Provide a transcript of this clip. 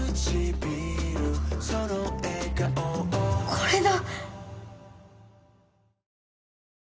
これだ。